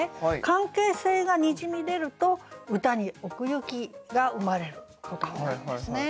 関係性がにじみ出ると歌に奥行きが生まれることがあるんですね。